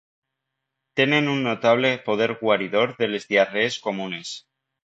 Tenen un notable poder guaridor de les diarrees comunes.